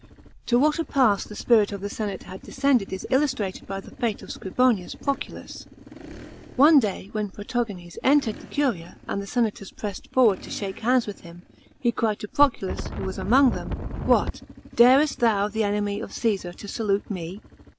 To what a pass the spirit of the senate had descended is illustrated by the fate of Scriboiiius Proculus. One day when Protogenes entered the curia and the senators pressed forward to shake hands with him, he cried to Pro culus who was among them, '* What ! darest thou, the enemy of Caesar, to salute me?"